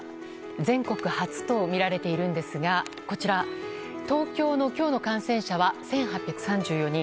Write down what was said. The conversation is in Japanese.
全国初とみられているんですがこちら、東京の今日の感染者は１８３４人。